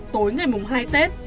tối ngày mùng hai tết